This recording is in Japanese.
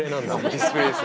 ディスプレーです。